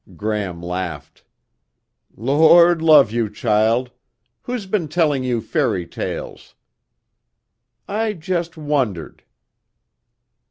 Gram laughed. "Lord love you, child. Who's been telling you fairy tales?" "I just wondered."